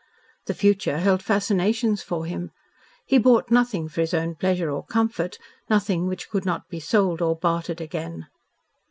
The future held fascinations for him. He bought nothing for his own pleasure or comfort, nothing which could not be sold or bartered again.